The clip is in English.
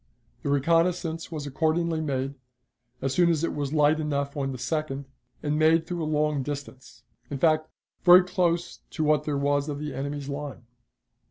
The reconnaissance was accordingly made, as soon as it was light enough on the 2d, and made through a long distance in fact, very close to what there was of the enemy's line.